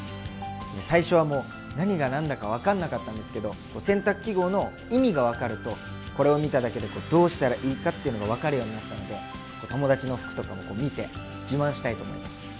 最初はもう何が何だか分かんなかったんですけど洗濯記号の意味が分かるとこれを見ただけでどうしたらいいかっていうのが分かるようになったので友達の服とか見て自慢したいと思います。